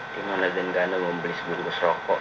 dimana dengana membeli sebuah bus rokok